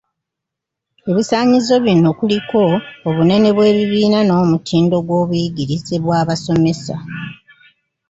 Ebisaanyizo bino kuliko; obunene bw’ebibiina n'omutindo gw’obuyigirize bw’abasomesa.